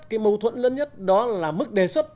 cái mâu thuẫn lớn nhất đó là mức đề xuất